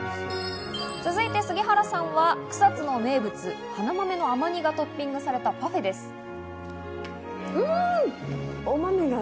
続いて杉原さんは草津の名物・花豆の甘煮がトッピングされたパフェです。